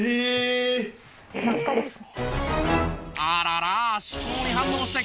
あらら。